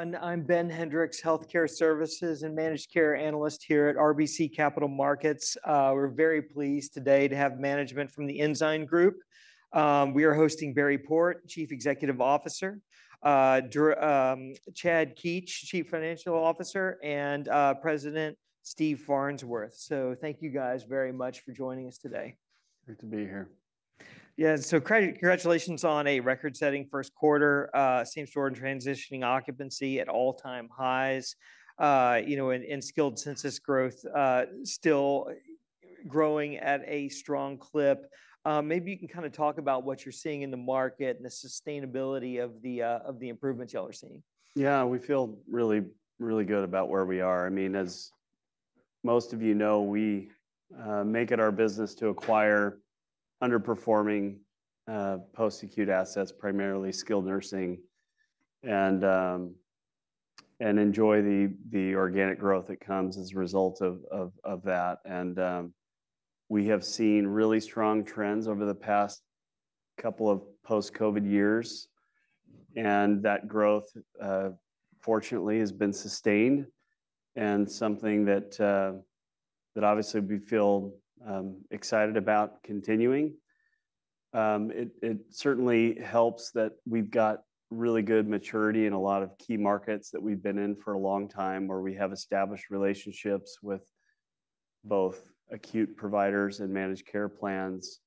Everyone, I'm Ben Hendrix, Healthcare Services and Managed Care Analyst here at RBC Capital Markets. We're very pleased today to have management from the Ensign Group. We are hosting Barry Port, Chief Executive Officer, Chad Keetch, Chief Financial Officer, and President Steve Farnsworth. Thank you guys very much for joining us today. Great to be here. Yeah, so congratulations on a record-setting first quarter, same store and transitioning occupancy at all-time highs, you know, and skilled census growth still growing at a strong clip. Maybe you can kind of talk about what you're seeing in the market and the sustainability of the improvements y'all are seeing. Yeah, we feel really, really good about where we are. I mean, as most of you know, we make it our business to acquire underperforming post-acute assets, primarily skilled nursing, and enjoy the organic growth that comes as a result of that. We have seen really strong trends over the past couple of post-COVID years. That growth, fortunately, has been sustained and something that obviously we feel excited about continuing. It certainly helps that we've got really good maturity in a lot of key markets that we've been in for a long time where we have established relationships with both acute providers and managed care plans.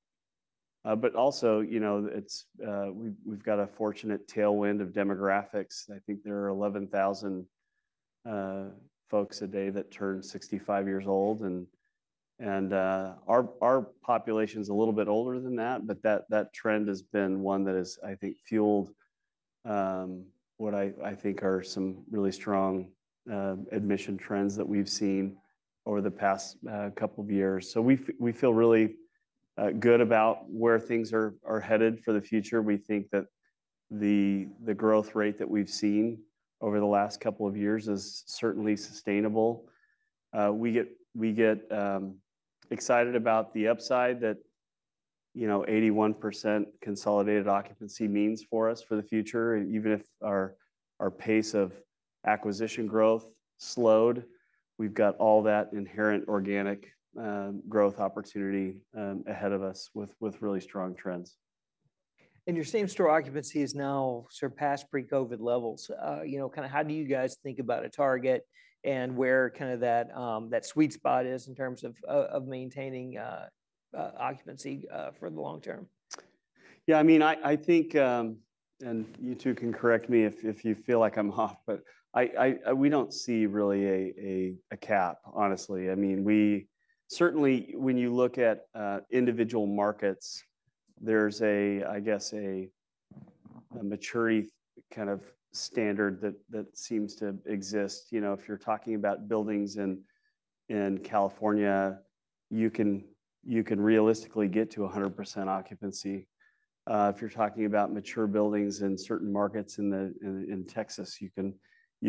Also, you know, we've got a fortunate tailwind of demographics. I think there are 11,000 folks a day that turn 65 years old. Our population is a little bit older than that, but that trend has been one that has, I think, fueled what I think are some really strong admission trends that we've seen over the past couple of years. We feel really good about where things are headed for the future. We think that the growth rate that we've seen over the last couple of years is certainly sustainable. We get excited about the upside that, you know, 81% consolidated occupancy means for us for the future. Even if our pace of acquisition growth slowed, we've got all that inherent organic growth opportunity ahead of us with really strong trends. Your same store occupancy has now surpassed pre-COVID levels. You know, kind of how do you guys think about a target and where kind of that sweet spot is in terms of maintaining occupancy for the long term? Yeah, I mean, I think, and you two can correct me if you feel like I'm hot, but we don't see really a cap, honestly. I mean, we certainly, when you look at individual markets, there's a, I guess, a maturity kind of standard that seems to exist. You know, if you're talking about buildings in California, you can realistically get to 100% occupancy. If you're talking about mature buildings in certain markets in Texas, you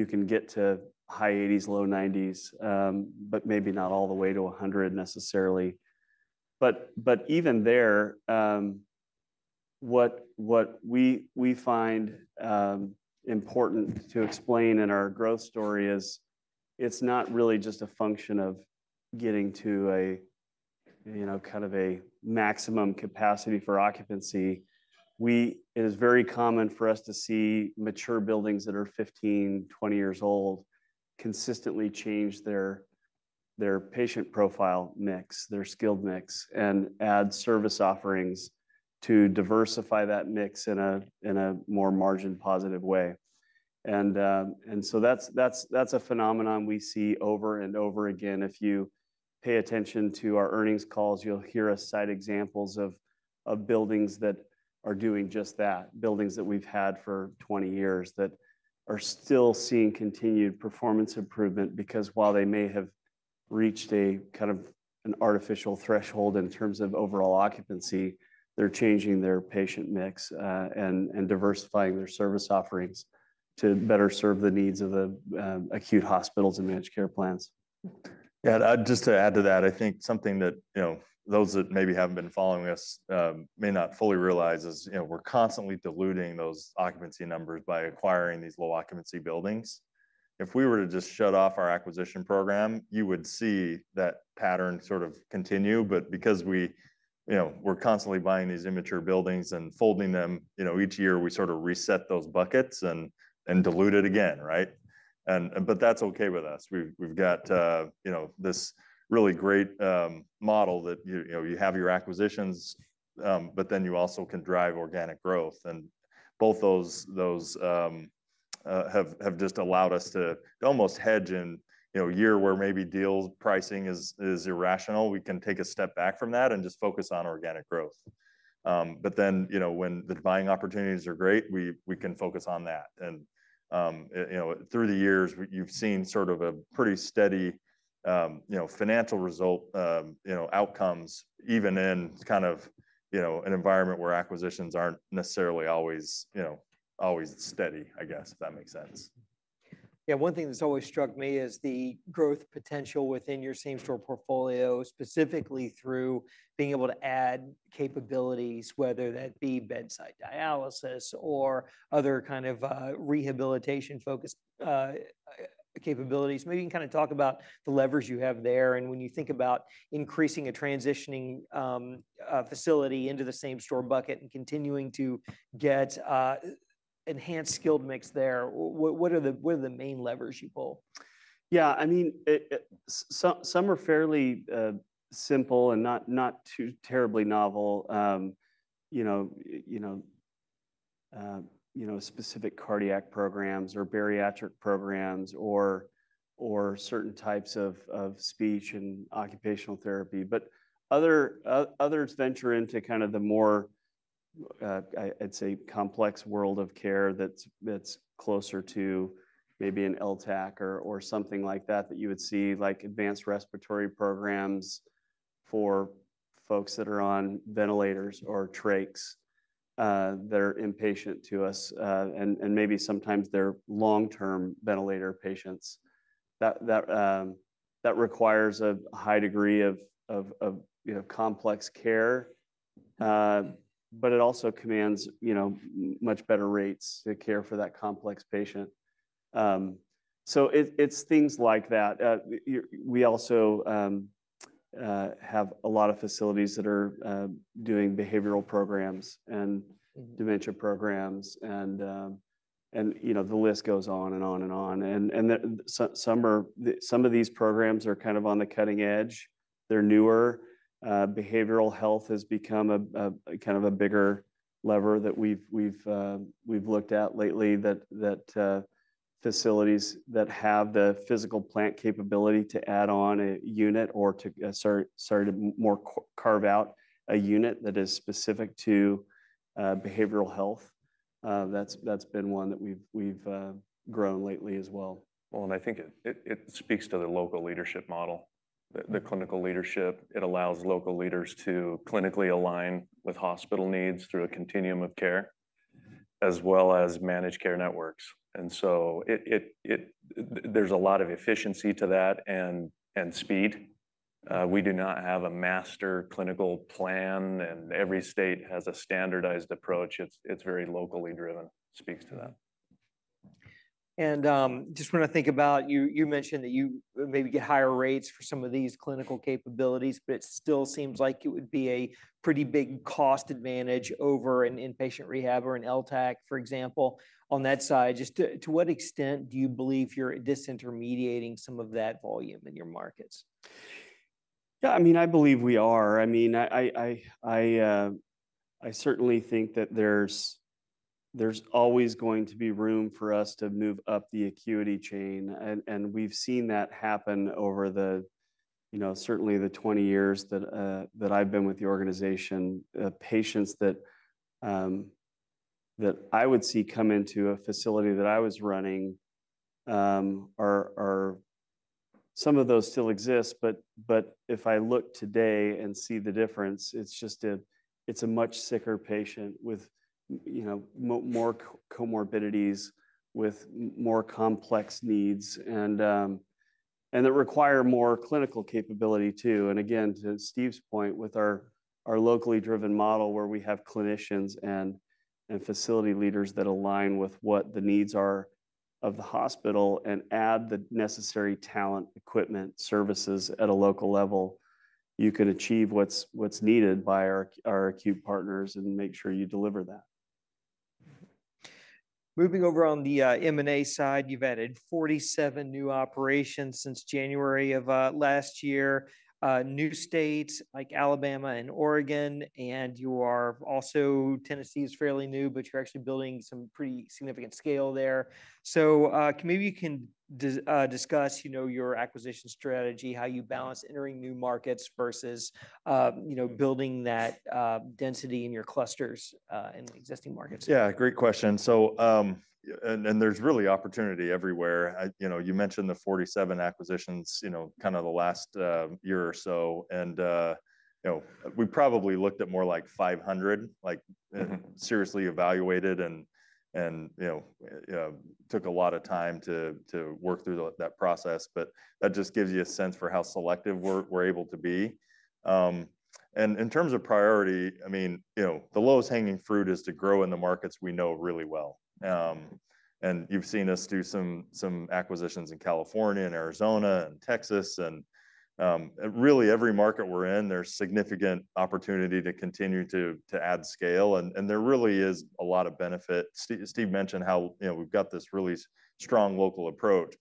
can get to high 80s, low 90s, but maybe not all the way to 100 necessarily. Even there, what we find important to explain in our growth story is it's not really just a function of getting to a, you know, kind of a maximum capacity for occupancy. It is very common for us to see mature buildings that are 15-20 years old consistently change their patient profile mix, their skilled mix, and add service offerings to diversify that mix in a more margin-positive way. That is a phenomenon we see over and over again. If you pay attention to our earnings calls, you'll hear us cite examples of buildings that are doing just that, buildings that we've had for 20 years that are still seeing continued performance improvement because while they may have reached a kind of an artificial threshold in terms of overall occupancy, they're changing their patient mix and diversifying their service offerings to better serve the needs of the acute hospitals and managed care plans. Yeah, just to add to that, I think something that, you know, those that maybe haven't been following us may not fully realize is, you know, we're constantly diluting those occupancy numbers by acquiring these low-occupancy buildings. If we were to just shut off our acquisition program, you would see that pattern sort of continue. Because we, you know, we're constantly buying these immature buildings and folding them, you know, each year, we sort of reset those buckets and dilute it again, right? But that's okay with us. We've got, you know, this really great model that you have your acquisitions, but then you also can drive organic growth. Both those have just allowed us to almost hedge in a year where maybe deal pricing is irrational, we can take a step back from that and just focus on organic growth. You know, when the buying opportunities are great, we can focus on that. You know, through the years, you've seen sort of a pretty steady, you know, financial result, you know, outcomes, even in kind of, you know, an environment where acquisitions aren't necessarily always, you know, always steady, I guess, if that makes sense. Yeah, one thing that's always struck me is the growth potential within your same store portfolio, specifically through being able to add capabilities, whether that be bedside dialysis or other kind of rehabilitation-focused capabilities. Maybe you can kind of talk about the levers you have there. When you think about increasing a transitioning facility into the same store bucket and continuing to get enhanced skilled mix there, what are the main levers you pull? Yeah, I mean, some are fairly simple and not too terribly novel. You know, you know, specific cardiac programs or bariatric programs or certain types of speech and occupational therapy. Others venture into kind of the more, I'd say, complex world of care that's closer to maybe an LTAC or something like that that you would see, like advanced respiratory programs for folks that are on ventilators or trachs that are inpatient to us. Maybe sometimes they're long-term ventilator patients. That requires a high degree of complex care. It also commands, you know, much better rates to care for that complex patient. It's things like that. We also have a lot of facilities that are doing behavioral programs and dementia programs. You know, the list goes on and on and on. Some of these programs are kind of on the cutting edge. They're newer. Behavioral health has become a kind of a bigger lever that we've looked at lately, that facilities that have the physical plant capability to add on a unit or to start to more carve out a unit that is specific to behavioral health. That's been one that we've grown lately as well. I think it speaks to the local leadership model, the clinical leadership. It allows local leaders to clinically align with hospital needs through a continuum of care, as well as managed care networks. There is a lot of efficiency to that and speed. We do not have a master clinical plan, and every state has a standardized approach. It is very locally driven, speaks to that. Just want to think about, you mentioned that you maybe get higher rates for some of these clinical capabilities, but it still seems like it would be a pretty big cost advantage over an inpatient rehab or an LTAC, for example, on that side. Just to what extent do you believe you're disintermediating some of that volume in your markets? Yeah, I mean, I believe we are. I mean, I certainly think that there's always going to be room for us to move up the acuity chain. We've seen that happen over the, you know, certainly the 20 years that I've been with the organization. Patients that I would see come into a facility that I was running, some of those still exist. If I look today and see the difference, it's just a much sicker patient with, you know, more comorbidities, with more complex needs that require more clinical capability too. Again, to Steve's point, with our locally driven model where we have clinicians and facility leaders that align with what the needs are of the hospital and add the necessary talent, equipment, services at a local level, you can achieve what's needed by our acute partners and make sure you deliver that. Moving over on the M&A side, you've added 47 new operations since January of last year, new states like Alabama and Oregon. And you are also, Tennessee is fairly new, but you're actually building some pretty significant scale there. So maybe you can discuss, you know, your acquisition strategy, how you balance entering new markets versus, you know, building that density in your clusters in existing markets. Yeah, great question. So, and there's really opportunity everywhere. You know, you mentioned the 47 acquisitions, you know, kind of the last year or so. And, you know, we probably looked at more like 500, like seriously evaluated and, you know, took a lot of time to work through that process. But that just gives you a sense for how selective we're able to be. In terms of priority, I mean, you know, the lowest hanging fruit is to grow in the markets we know really well. You have seen us do some acquisitions in California and Arizona and Texas. Really, every market we're in, there's significant opportunity to continue to add scale. There really is a lot of benefit. Steve mentioned how, you know, we have got this really strong local approach.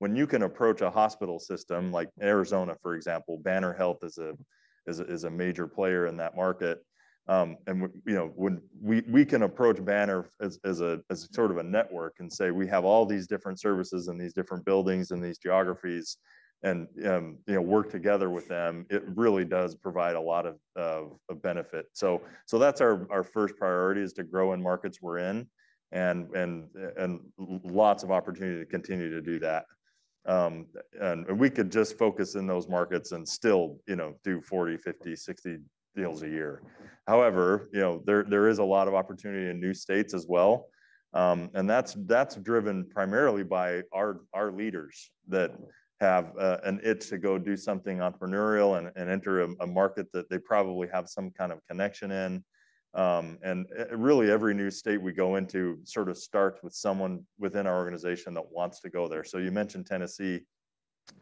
When you can approach a hospital system like Arizona, for example, Banner Health is a major player in that market. And, you know, when we can approach Banner as sort of a network and say, we have all these different services in these different buildings and these geographies and, you know, work together with them, it really does provide a lot of benefit. That is our first priority, to grow in markets we are in, and there is lots of opportunity to continue to do that. We could just focus in those markets and still, you know, do 40-50-60 deals a year. However, you know, there is a lot of opportunity in new states as well. That is driven primarily by our leaders that have an itch to go do something entrepreneurial and enter a market that they probably have some kind of connection in. Really, every new state we go into sort of starts with someone within our organization that wants to go there. You mentioned Tennessee.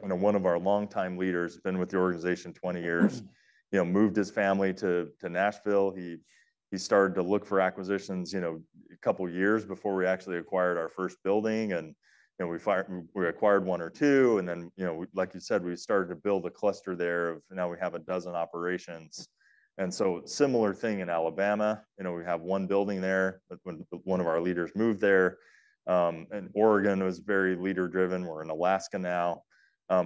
You know, one of our longtime leaders has been with the organization 20 years, you know, moved his family to Nashville. He started to look for acquisitions, you know, a couple of years before we actually acquired our first building. You know, we acquired one or two. Then, like you said, we started to build a cluster there of now we have a dozen operations. A similar thing in Alabama, you know, we have one building there. One of our leaders moved there. Oregon was very leader-driven. We are in Alaska now. You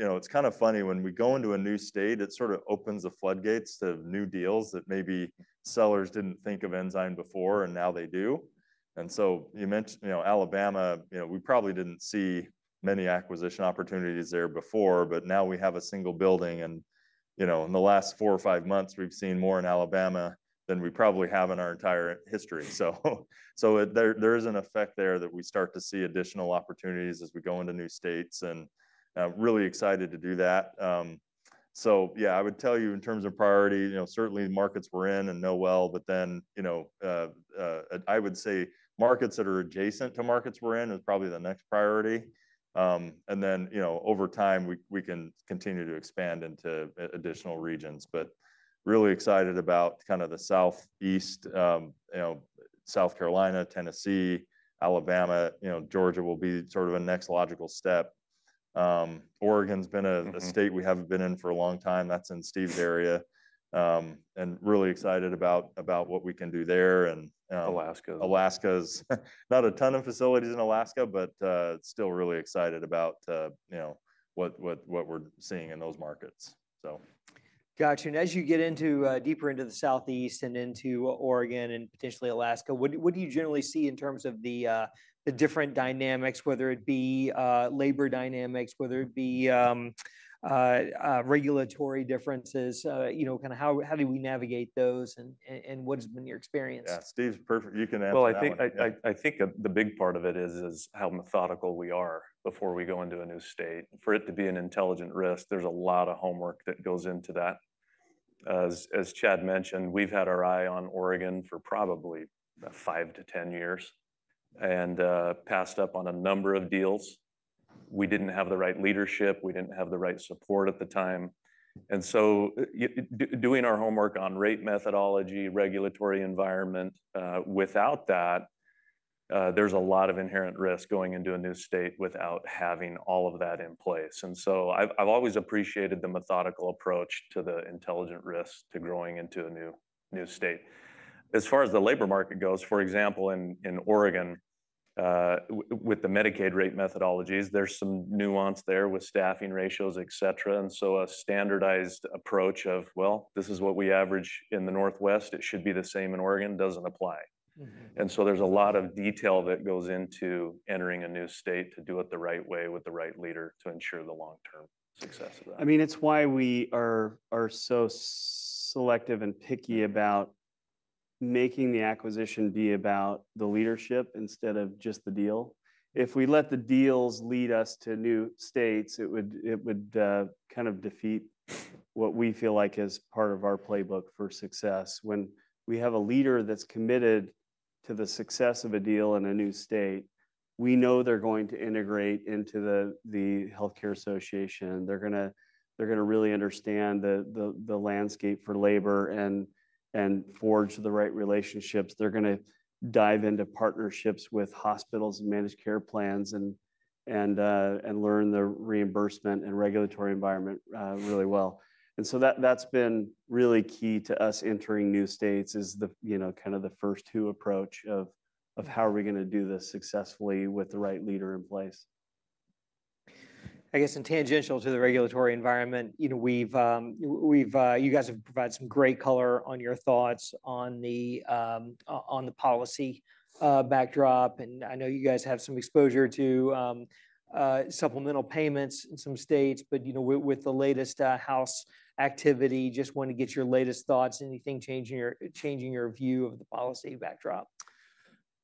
know, it's kind of funny when we go into a new state, it sort of opens the floodgates to new deals that maybe sellers did not think of Ensign before and now they do. You mentioned Alabama, you know, we probably did not see many acquisition opportunities there before, but now we have a single building. In the last four or five months, we have seen more in Alabama than we probably have in our entire history. There is an effect there that we start to see additional opportunities as we go into new states. I am really excited to do that. Yeah, I would tell you in terms of priority, certainly the markets we are in and know well. Then, I would say markets that are adjacent to markets we are in is probably the next priority. You know, over time, we can continue to expand into additional regions. Really excited about kind of the southeast, you know, South Carolina, Tennessee, Alabama, you know, Georgia will be sort of a next logical step. Oregon's been a state we haven't been in for a long time. That's in Steve's area. Really excited about what we can do there. Alaska. Alaska. Not a ton of facilities in Alaska, but still really excited about, you know, what we're seeing in those markets. Gotcha. As you get deeper into the southeast and into Oregon and potentially Alaska, what do you generally see in terms of the different dynamics, whether it be labor dynamics, whether it be regulatory differences, you know, kind of how do we navigate those and what has been your experience? Yeah, Steve's perfect. You can answer that. I think the big part of it is how methodical we are before we go into a new state. For it to be an intelligent risk, there's a lot of homework that goes into that. As Chad mentioned, we've had our eye on Oregon for probably 5-10 years and passed up on a number of deals. We didn't have the right leadership. We didn't have the right support at the time. Doing our homework on rate methodology, regulatory environment, without that, there's a lot of inherent risk going into a new state without having all of that in place. I've always appreciated the methodical approach to the intelligent risk to growing into a new state. As far as the labor market goes, for example, in Oregon, with the Medicaid rate methodologies, there's some nuance there with staffing ratios, et cetera. A standardized approach of, well, this is what we average in the Northwest. It should be the same in Oregon. Does not apply. There is a lot of detail that goes into entering a new state to do it the right way with the right leader to ensure the long-term success of that. I mean, it's why we are so selective and picky about making the acquisition be about the leadership instead of just the deal. If we let the deals lead us to new states, it would kind of defeat what we feel like is part of our playbook for success. When we have a leader that's committed to the success of a deal in a new state, we know they're going to integrate into the Healthcare Association. They're going to really understand the landscape for labor and forge the right relationships. They're going to dive into partnerships with hospitals and managed care plans and learn the reimbursement and regulatory environment really well. That has been really key to us entering new states is the, you know, kind of the first two approach of how are we going to do this successfully with the right leader in place. I guess in tangential to the regulatory environment, you know, you guys have provided some great color on your thoughts on the policy backdrop. I know you guys have some exposure to supplemental payments in some states. With the latest House activity, just want to get your latest thoughts. Anything changing your view of the policy backdrop?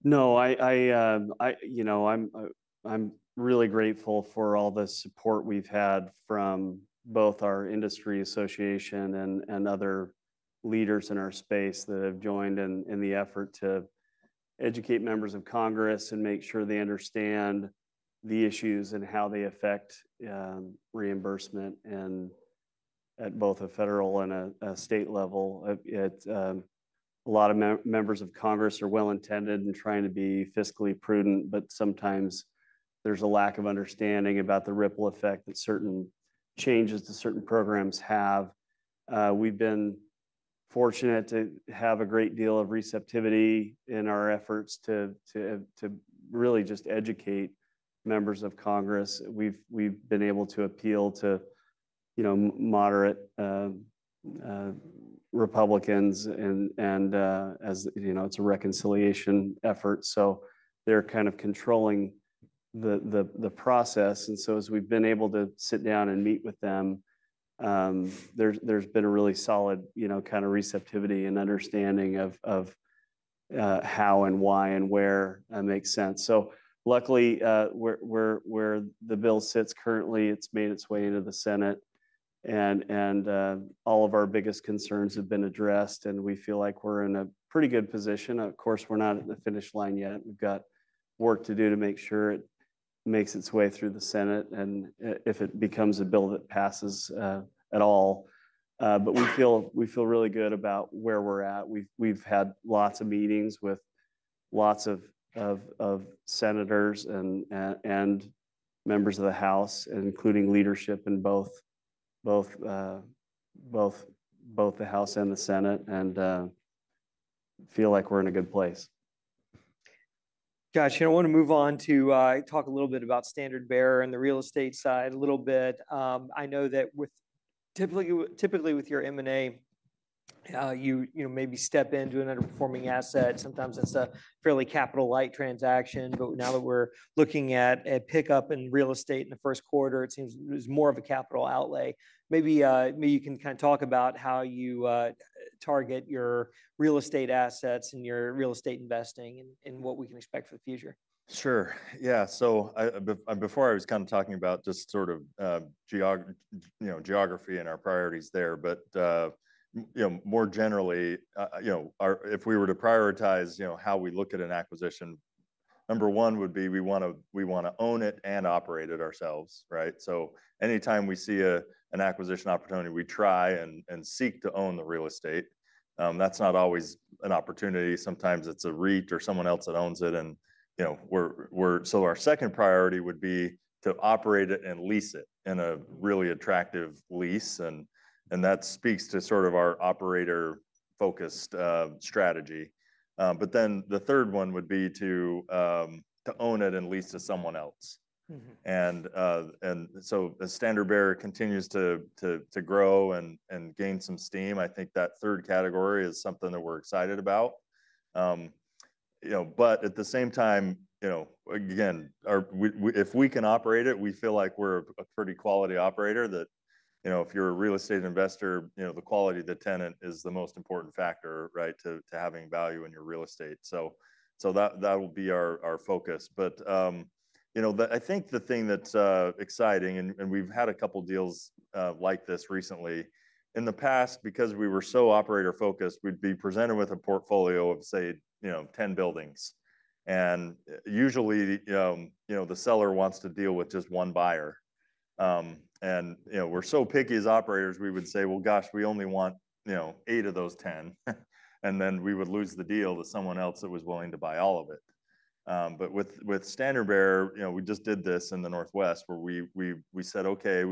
No, I, you know, I'm really grateful for all the support we've had from both our industry association and other leaders in our space that have joined in the effort to educate members of Congress and make sure they understand the issues and how they affect reimbursement at both a federal and a state level. A lot of members of Congress are well-intended and trying to be fiscally prudent, but sometimes there's a lack of understanding about the ripple effect that certain changes to certain programs have. We've been fortunate to have a great deal of receptivity in our efforts to really just educate members of Congress. We've been able to appeal to, you know, moderate Republicans. As you know, it's a reconciliation effort. They are kind of controlling the process. As we've been able to sit down and meet with them, there's been a really solid, you know, kind of receptivity and understanding of how and why and where makes sense. Luckily, where the bill sits currently, it's made its way into the Senate. All of our biggest concerns have been addressed. We feel like we're in a pretty good position. Of course, we're not at the finish line yet. We've got work to do to make sure it makes its way through the Senate and if it becomes a bill that passes at all. We feel really good about where we're at. We've had lots of meetings with lots of senators and members of the House, including leadership in both the House and the Senate. We feel like we're in a good place. Gotcha. I want to move on to talk a little bit about Standard Bearer and the real estate side a little bit. I know that typically with your M&A, you maybe step into an underperforming asset. Sometimes it's a fairly capital-light transaction. Now that we're looking at pickup in real estate in the first quarter, it seems it was more of a capital outlay. Maybe you can kind of talk about how you target your real estate assets and your real estate investing and what we can expect for the future. Sure. Yeah. Before I was kind of talking about just sort of geography and our priorities there, but, you know, more generally, you know, if we were to prioritize, you know, how we look at an acquisition, number one would be we want to own it and operate it ourselves, right? Anytime we see an acquisition opportunity, we try and seek to own the real estate. That is not always an opportunity. Sometimes it is a REIT or someone else that owns it. You know, our second priority would be to operate it and lease it in a really attractive lease. That speaks to sort of our operator-focused strategy. The third one would be to own it and lease to someone else. As Standard Bearer continues to grow and gain some steam, I think that third category is something that we are excited about. You know, but at the same time, you know, again, if we can operate it, we feel like we're a pretty quality operator that, you know, if you're a real estate investor, you know, the quality of the tenant is the most important factor, right, to having value in your real estate. That will be our focus. You know, I think the thing that's exciting, and we've had a couple of deals like this recently, in the past, because we were so operator-focused, we'd be presented with a portfolio of, say, you know, 10 buildings. Usually, you know, the seller wants to deal with just one buyer. You know, we're so picky as operators, we would say, well, gosh, we only want, you know, 8 of those 10. Then we would lose the deal to someone else that was willing to buy all of it. With Standard Bearer, you know, we just did this in the Northwest where we said, okay,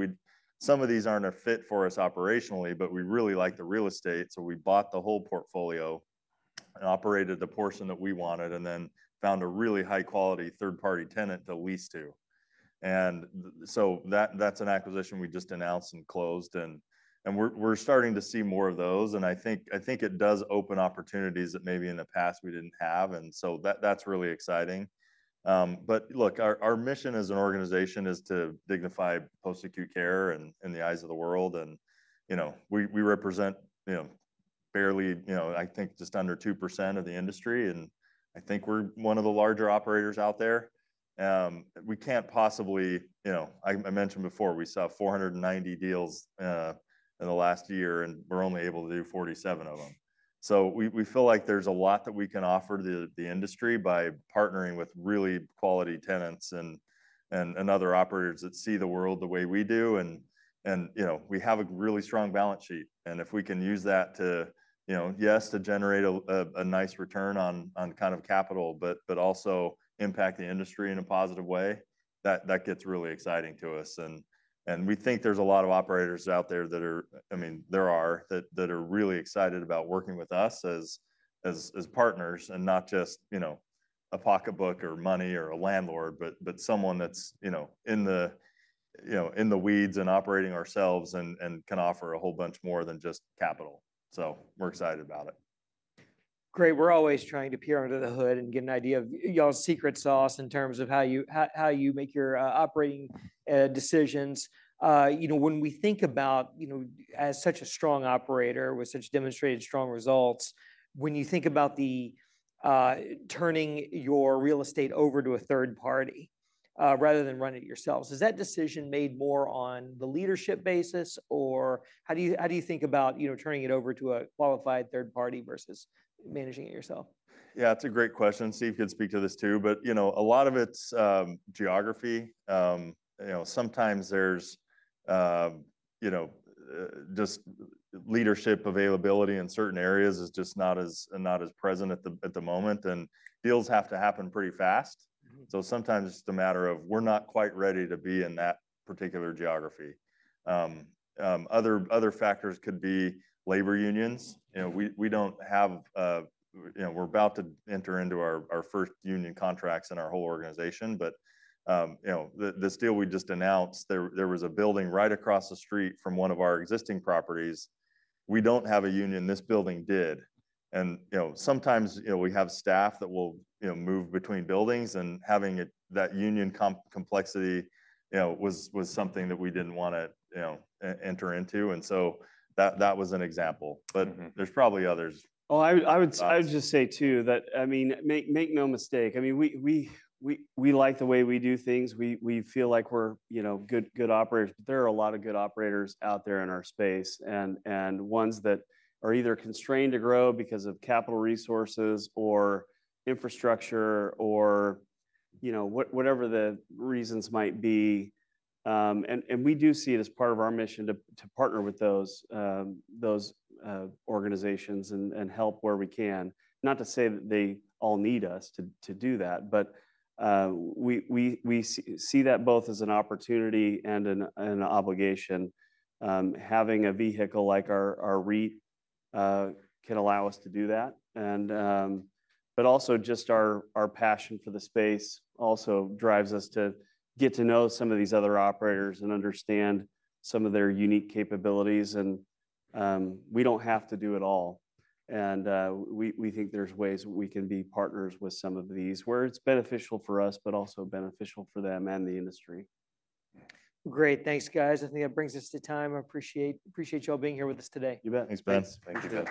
some of these aren't a fit for us operationally, but we really like the real estate. We bought the whole portfolio and operated the portion that we wanted and then found a really high-quality third-party tenant to lease to. That is an acquisition we just announced and closed. We are starting to see more of those. I think it does open opportunities that maybe in the past we did not have. That is really exciting. Look, our mission as an organization is to dignify post-acute care in the eyes of the world. You know, we represent, you know, barely, you know, I think just under 2% of the industry. I think we are one of the larger operators out there. We can't possibly, you know, I mentioned before, we saw 490 deals in the last year, and we're only able to do 47 of them. We feel like there's a lot that we can offer the industry by partnering with really quality tenants and other operators that see the world the way we do. You know, we have a really strong balance sheet. If we can use that to, you know, yes, to generate a nice return on kind of capital, but also impact the industry in a positive way, that gets really exciting to us. We think there is a lot of operators out there that are, I mean, there are that are really excited about working with us as partners and not just, you know, a pocketbook or money or a landlord, but someone that is, you know, in the, you know, in the weeds and operating ourselves and can offer a whole bunch more than just capital. We are excited about it. Great. We're always trying to peer under the hood and get an idea of y'all's secret sauce in terms of how you make your operating decisions. You know, when we think about, you know, as such a strong operator with such demonstrated strong results, when you think about turning your real estate over to a third party rather than running it yourselves, is that decision made more on the leadership basis? Or how do you think about, you know, turning it over to a qualified third party versus managing it yourself? Yeah, that's a great question. Steve can speak to this too. But, you know, a lot of it's geography. You know, sometimes there's, you know, just leadership availability in certain areas is just not as present at the moment. And deals have to happen pretty fast. So sometimes it's just a matter of we're not quite ready to be in that particular geography. Other factors could be labor unions. You know, we don't have, you know, we're about to enter into our first union contracts in our whole organization. But, you know, this deal we just announced, there was a building right across the street from one of our existing properties. We don't have a union. This building did. And, you know, sometimes, you know, we have staff that will, you know, move between buildings. Having that union complexity, you know, was something that we did not want to, you know, enter into. That was an example. There are probably others. Oh, I would just say too that, I mean, make no mistake. I mean, we like the way we do things. We feel like we're, you know, good operators. There are a lot of good operators out there in our space and ones that are either constrained to grow because of capital resources or infrastructure or, you know, whatever the reasons might be. We do see it as part of our mission to partner with those organizations and help where we can. Not to say that they all need us to do that, but we see that both as an opportunity and an obligation. Having a vehicle like our REIT can allow us to do that. Also, just our passion for the space also drives us to get to know some of these other operators and understand some of their unique capabilities. We do not have to do it all. We think there are ways we can be partners with some of these where it is beneficial for us, but also beneficial for them and the industry. Great. Thanks, guys. I think that brings us to time. I appreciate y'all being here with us today. You bet. Thanks, Ben. Thank you.